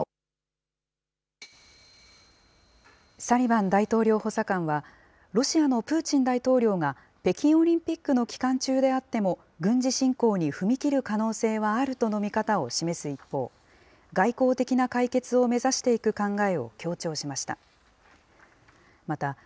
サリバン大統領補佐官は、ロシアのプーチン大統領が北京オリンピックの期間中であっても、軍事侵攻に踏み切る可能性はあるとの見方を示す一方、外交的な解決を目指していく考えを強調しました。